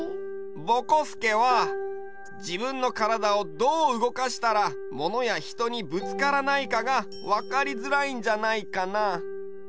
ぼこすけは自分の体をどう動かしたらものやひとにぶつからないかが分かりづらいんじゃないかな。